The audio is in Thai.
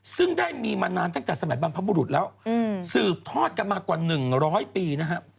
ซึ่งได้มีมานานตั้งแต่สมัยบ้านพระบุรุษแล้วสืบทอดกันมากกว่าหนึ่งร้อยปีนะครับ